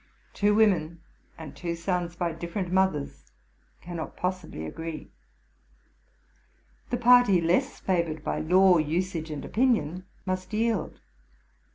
'Two women, and two sons by different mothers, cannot possibly agree. The party less favored by law, usage, and opinion must yield.